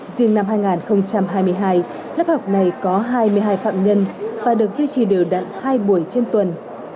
riêng năm hai nghìn hai mươi hai lớp học này có hai mươi hai phạm nhân và được duy trì đều đặn hai buổi trên tuần